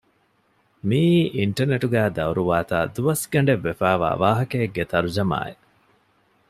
މިއީ އިންޓަނެޓުގައި ދައުރުވާތާ ދުވަސްގަނޑެއް ވެފައިވާ ވާހަކައެކެއްގެ ތަރުޖަމާއެއް